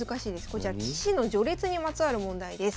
こちら棋士の序列にまつわる問題です。